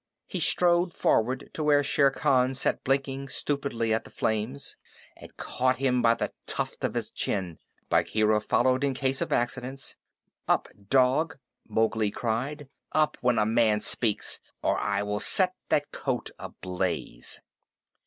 He strode forward to where Shere Khan sat blinking stupidly at the flames, and caught him by the tuft on his chin. Bagheera followed in case of accidents. "Up, dog!" Mowgli cried. "Up, when a man speaks, or I will set that coat ablaze!"